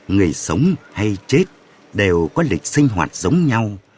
người sống hay chết đều có lịch sinh hoạt giống nhau